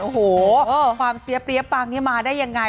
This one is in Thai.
โอ้โหความเสียเปรี้ยปังนี่มาได้ยังไง